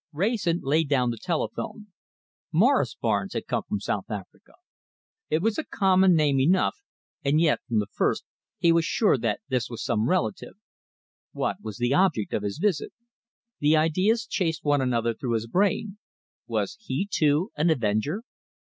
Wrayson laid down the telephone. Morris Barnes had come from South Africa. It was a common name enough, and yet, from the first, he was sure that this was some relative. What was the object of his visit? The ideas chased one another through his brain. Was he, too, an avenger?